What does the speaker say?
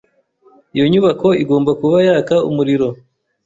Iyo nyubako igomba kuba yaka umuriro.